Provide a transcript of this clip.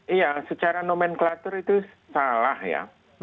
iya secara nomenklatur itu salah ya